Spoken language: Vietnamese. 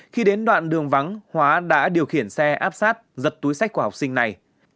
khi đến đoạn đường vắng hóa đã điều khiển xe áp sát giật túi sách của học sinh này